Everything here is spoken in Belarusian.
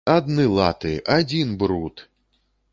Адны латы, адзін бруд!